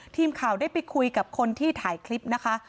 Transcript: ทีมข่าวได้ไปคุยกับคนที่ถ่ายคลิปนะคะ